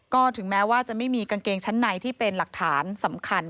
ก็ถึงแม้ว่าจะไม่มีกางเกงชั้นในที่เป็นหลักฐานสำคัญ